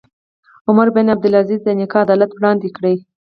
عمر بن عبدالعزیز د نیکه عدالت وړاندې کړ.